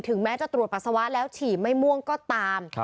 แม้จะตรวจปัสสาวะแล้วฉี่ไม่ม่วงก็ตาม